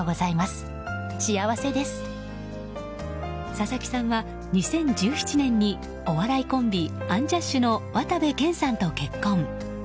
佐々木さんは２０１７年にお笑いコンビアンジャッシュの渡部建さんと結婚。